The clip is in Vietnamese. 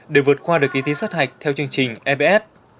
để vượt qua được kỳ thi sát hạch theo chương trình eps